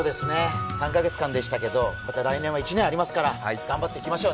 ３カ月間でしたけど、また来年は１年ありますから頑張っていきましょう。